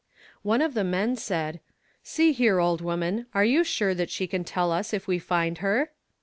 One of the men said "See here old woman, are you sure that she can tell us if we find her?"